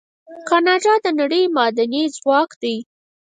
کاناډا د نړۍ معدني ځواک دی.